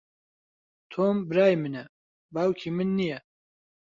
تۆم برای منە، باوکی من نییە.